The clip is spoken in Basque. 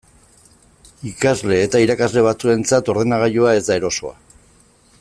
Ikasle eta irakasle batzuentzat ordenagailua ez da erosoa.